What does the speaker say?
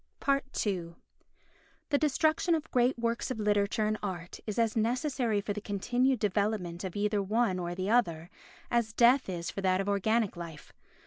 ii The destruction of great works of literature and art is as necessary for the continued development of either one or the other as death is for that of organic life.